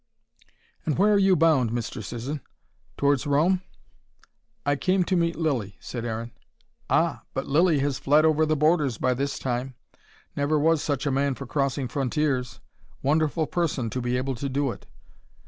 "And where are you bound, Mr. Sisson? Towards Rome?" "I came to meet Lilly," said Aaron. "Ah! But Lilly has fled over the borders by this time. Never was such a man for crossing frontiers. Wonderful person, to be able to do it."